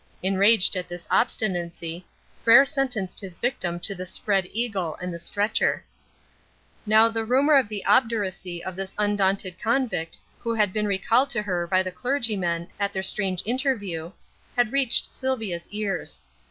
Enraged at this obstinacy, Frere sentenced his victim to the "spread eagle" and the "stretcher". Now the rumour of the obduracy of this undaunted convict who had been recalled to her by the clergyman at their strange interview, had reached Sylvia's ears.